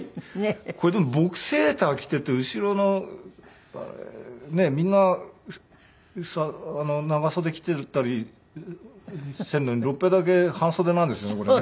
これでも僕セーター着ていて後ろのねえみんな長袖着ていたりしているのに六平だけ半袖なんですねこれね。